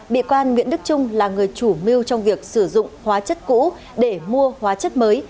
bị quan nguyễn đức trung là người chủ mưu trong việc sử dụng hóa chất cũ để mua hóa chất mới